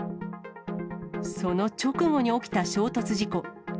その直後に起きた衝突事故。